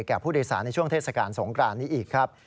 ผู้โดยสารในช่วงเทศกาลสงกรานนี้อีกครับ